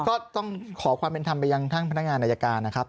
ก็ต้องขอความเป็นธรรมไปยังท่านพนักงานอายการนะครับ